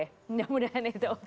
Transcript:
ya mudah mudahan itu